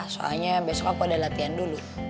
soalnya besok aku ada latihan dulu